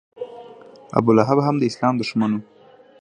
ابولهب هم د اسلام دښمن و.